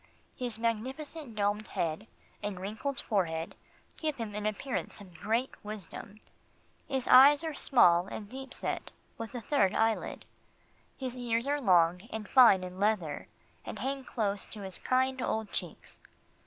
His magnificent domed head, and wrinkled forehead give him an appearance of great wisdom. His eyes are small and deep set, with a third eyelid. His ears are long and fine in "leather," and hang close to his kind old cheeks.